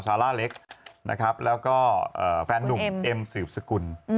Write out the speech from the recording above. ซาร่าเล็กนะครับแล้วก็แฟนนุ่มเอ็มสืบสกุล